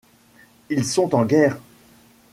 Ils sont en guerre.